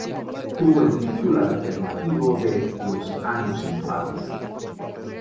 Tuvo el título alternativo de Los años infames.